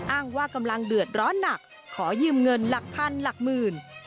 อ้างว่ากำลังเดือดร้อนหนักขอยืมเงินหลักพันหลักหมื่น